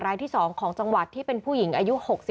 ของ๔๕ของจังหวัดที่เป็นผู้หญิงอายุ๖๕